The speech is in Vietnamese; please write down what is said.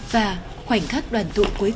và khoảnh khắc đoàn tụ cuối cùng